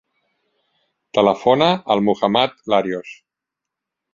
Telefona al Muhammad Larios.